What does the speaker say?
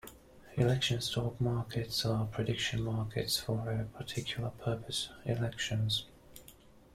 Election stock markets are prediction markets for a particular purpose: elections.